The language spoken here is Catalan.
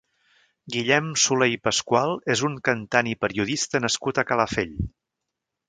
Guillem Solé i Pascual és un cantant i periodista nascut a Calafell.